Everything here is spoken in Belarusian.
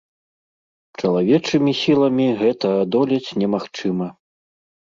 Чалавечымі сіламі гэта адолець немагчыма.